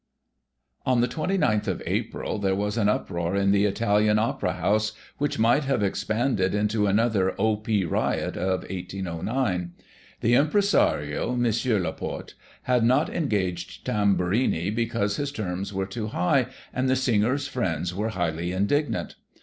On the 29th April, there was an uproar in the Italian Opera House, which might have expanded into another O.P. riot of 1809. The Impresario, M. Laporte, had not engaged Tamburini, because his terms were too high, and the singer's friends were highly indignant.